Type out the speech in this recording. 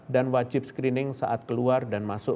dan wajib screening saat keluar dan masuk